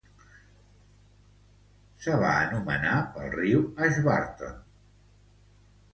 Se' va anomenar pel riu Ashburton.